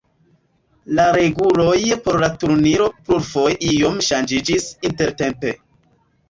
La reguloj por la turniro plurfoje iom ŝanĝiĝis intertempe.